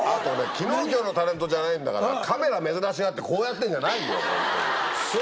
昨日今日のタレントじゃないんだからカメラ珍しがってこうやってんじゃないよ。